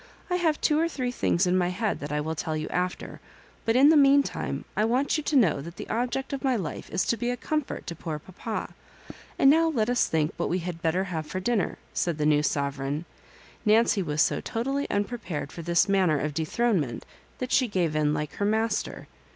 I have two or three things in my head that I will tell you after ; but in the meantime I want yon to know that the object of my life is to be a comfort to poor papa ; and now let us think what we had better have for dinner," said the new sovereign. Nancy was so totally unpre pared for this manner of dethronement that she gave in like her master.